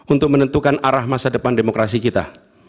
untuk menentukan arah masa depan demokrasi kita